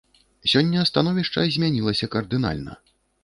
Сёння становішча змянілася кардынальна.